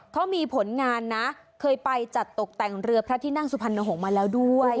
เขามีผลงานนะเคยไปจัดตกแต่งเรือพระที่นั่งสุพรรณหงษ์มาแล้วด้วย